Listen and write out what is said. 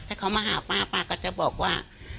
ถ้าเขามาหาป้าป้าก็จะบอกว่า